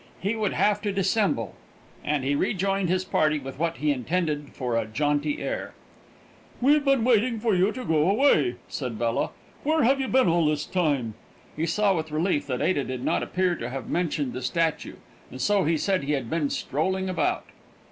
He would have to dissemble, and he rejoined his party with what he intended for a jaunty air. "We've been waiting for you to go away," said Bella. "Where have you been all this time?" He saw with relief that Ada did not appear to have mentioned the statue, and so he said he had been "strolling about."